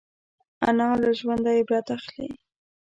انا له ژونده عبرت اخلي